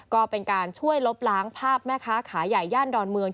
ก็เป็นการช่วยลบล้างภาพแม่ค้าขายใหญ่ย่านดอนเมือง